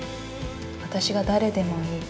私が誰でもいい。